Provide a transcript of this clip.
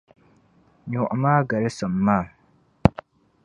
Nyuɣu maa galisim maa.